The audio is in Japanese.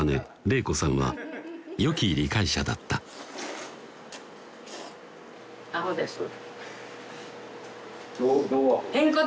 れい子さんはよき理解者だったどこが？